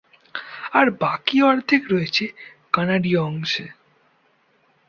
আর বাকি অর্ধেক রয়েছে কানাডীয় অংশে।